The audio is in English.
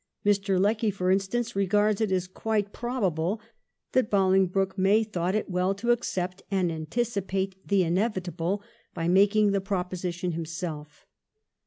Mr. Lecky, for instance, regards it as quite probable that Bolingbroke may have thought it well to accept and anticipate the inevitable by making the proposition himself.